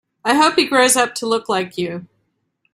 I hope he grows up to look like you.